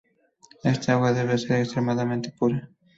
Esta agua debe ser extremadamente pura.